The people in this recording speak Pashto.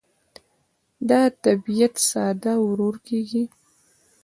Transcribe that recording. د طبیعت ساه ورو کېږي